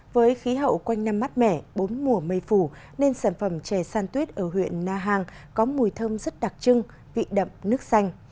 với khí hậu quanh năm mát mẻ bốn mùa mây phủ nên sản phẩm chè san tuyết ở huyện na hàng có mùi thơm rất đặc trưng vị đậm nước xanh